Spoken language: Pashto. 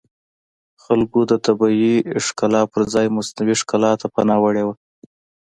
خلکو د طبیعي ښکلا پرځای مصنوعي ښکلا ته پناه وړې وه